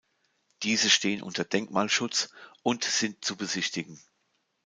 Diese stehen unter Denkmalschutz und sind zu besichtigen.